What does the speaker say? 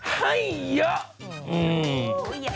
เฮ่ยเยอะ